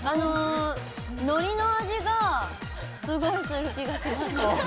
海苔の味がすごいする気がします。